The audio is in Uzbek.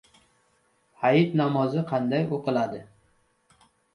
Hayit namozi qanday o‘qiladi?